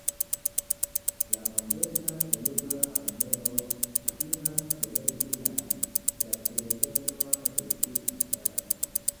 La moderna perua armeo kutimas celebri la datrevenon de tiu batalo.